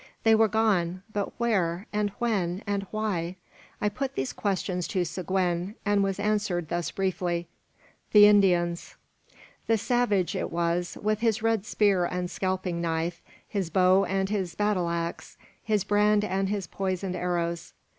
They were gone; but where? and when? and why? I put these questions to Seguin, and was answered thus briefly "The Indians." The savage it was, with his red spear and scalping knife, his bow and his battle axe, his brand and his poisoned arrows.